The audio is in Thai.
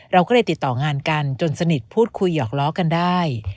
เราก็เลยติดต่องานกันจนสนิทพูดคุยหยอกล้อกันได้